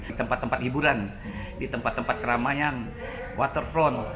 di tempat tempat hiburan di tempat tempat keramaian waterfront